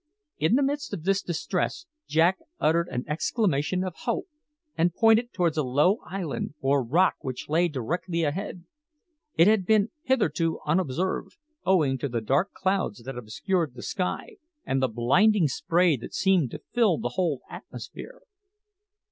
In the midst of this distress Jack uttered an exclamation of hope, and pointed towards a low island or rock which lay directly ahead. It had been hitherto unobserved, owing to the dark clouds that obscured the sky and the blinding spray that seemed to fill the whole atmosphere.